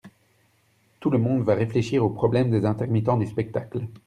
Tout le monde va réfléchir au problème des intermittents du spectacle.